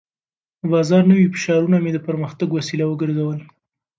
د بازار نوي فشارونه مې د پرمختګ وسیله وګرځول.